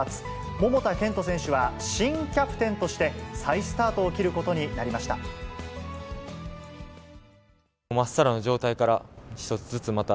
桃田賢斗選手は、新キャプテンとして再スタートを切ることになりました。